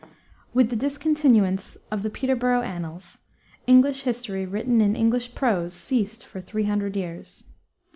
With the discontinuance of the Peterborough annals, English history written in English prose ceased for three hundred years.